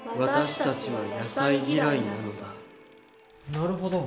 なるほど。